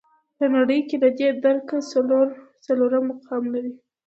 په نړۍ کې له دې درکه څلورم مقام لري.